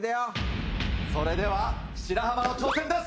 それでは白濱の挑戦です。